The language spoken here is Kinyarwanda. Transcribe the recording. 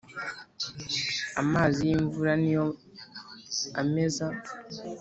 Amazi y’imvura ni yo ameza